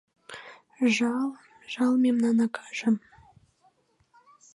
Жал, жал мемнан акаже